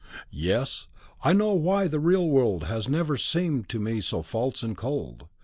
Yes; I know why the real world has ever seemed to me so false and cold.